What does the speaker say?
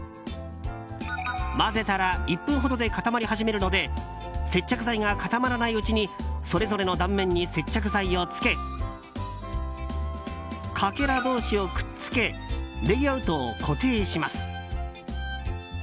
混ぜたら１分ほどで固まり始めるので接着剤が固まらないうちにそれぞれの断面に接着剤をつけかけら同士をくっつけレイアウトを固定します。